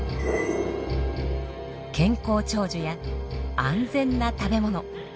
健康長寿や安全な食べ物。